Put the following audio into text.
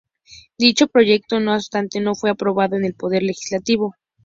Dicho proyecto, no obstante, no fue aprobado en el Poder Legislativo.